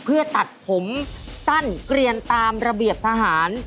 เพื่อตัดผมสั้นเกลียนตามระเบียบทหาร